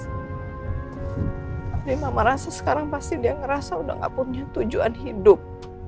tapi mama rasa sekarang pasti dia ngerasa udah gak punya tujuan hidup